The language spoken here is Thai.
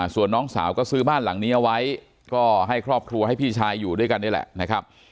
ส่วนน้องสาวก็ซื้อบ้านหลังนี้เอาไว้ก็ให้ครอบครัวให้พี่ชายอยู่ด้วยกันนี่แหละนะครับ